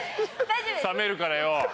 冷めるからよぉ。